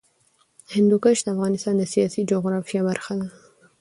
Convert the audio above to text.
هندوکش د افغانستان د سیاسي جغرافیه برخه ده.